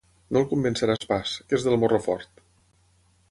No el convenceràs pas, que és del morro fort!